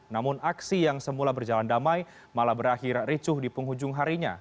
namun aksi yang semula berjalan damai malah berakhir ricuh di penghujung harinya